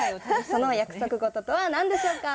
その約束事とは何でしょうか？